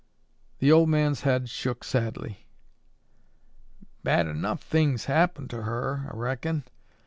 The old man's head shook sadly. "Bad enuf things happened to her, I reckon.